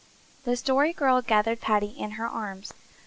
The Story Girl gathered Paddy up in her arms.